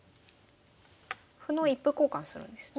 歩の一歩交換するんですね。